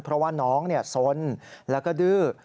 เพราะว่าน้องสนแล้วก็ดื้อ